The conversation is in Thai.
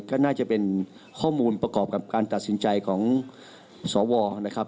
ก็น่าจะเป็นข้อมูลประกอบกับการตัดสินใจของสวนะครับ